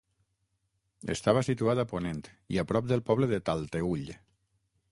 Estava situat a ponent i a prop del poble de Talteüll.